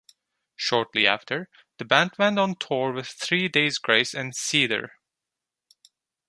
Shortly after, the band went on tour with Three Days Grace and Seether.